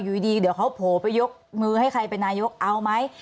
อยู่ดีเดี๋ยวเขาโผล่ไปยกมือให้ใครเป็นนายกเอาไหม